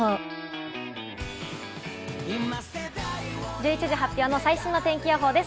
１１時発表の最新の天気予報です。